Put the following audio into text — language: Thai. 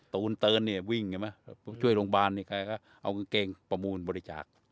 ตูนเติ้ลวิ่งช่วยโรงพยาบาลเอากางเกงประมูลบริจาค